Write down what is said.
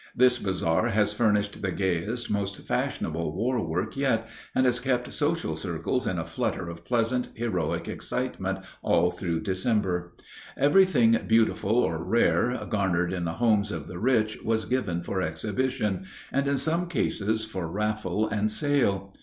This bazaar has furnished the gayest, most fashionable war work yet, and has kept social circles in a flutter of pleasant, heroic excitement all through December. Everything beautiful or rare garnered in the homes of the rich was given for exhibition, and in some cases for raffle and sale.